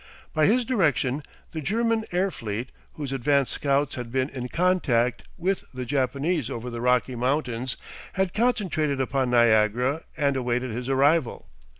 By his direction the German air fleet, whose advance scouts had been in contact with the Japanese over the Rocky Mountains, had concentrated upon Niagara and awaited his arrival.